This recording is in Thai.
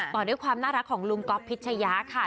ต่อด้วยความน่ารักของลุงก๊อฟพิชยาค่ะ